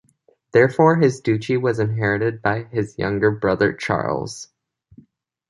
Therefore, his duchy was inherited by his younger brother Charles.